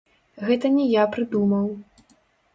Гэта не я прыдумаў.